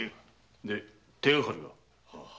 で手がかりは？